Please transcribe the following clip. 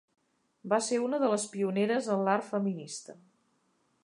Va ser una de les pioneres en l'art feminista.